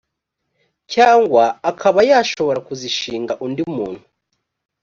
cyangwa akaba yashobora kuzishinga undi muntu